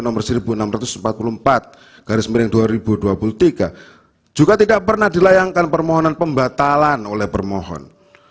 nomor seribu enam ratus empat puluh empat garis miring dua ribu dua puluh tiga juga tidak pernah dilayangkan permohonan pembatalan oleh permohon